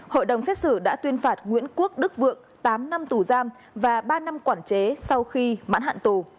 hội đồng xét xử đã tuyên phạt nguyễn quốc đức vượng tám năm tù giam và ba năm quản chế sau khi mãn hạn tù